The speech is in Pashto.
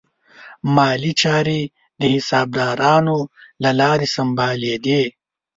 مالي چارې د حسابدارانو له لارې سمبالې دي.